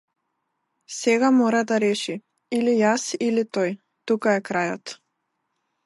Сега мора да реши или јас или тој тука е крајот.